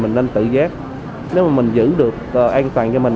mình nên tự giác nếu mà mình giữ được an toàn cho mình